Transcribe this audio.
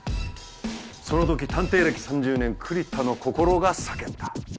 その時探偵歴３０年栗田の心が叫んだ。